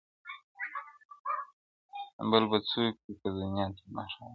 بل به څوک وي پر دنیا تر ما ښاغلی -